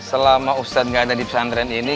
selama ustadz gak ada di pesantren ini